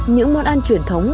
những món ăn truyền thống